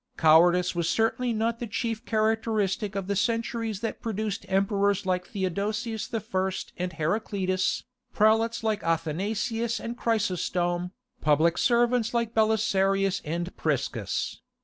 Cowardice was certainly not the chief characteristic of the centuries that produced emperors like Theodosius I. and Heraclius, prelates like Athanasius and Chrysostom, public servants like Belisarius and Priscus.